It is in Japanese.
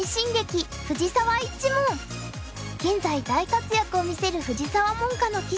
現在大活躍を見せる藤澤門下の棋士たち。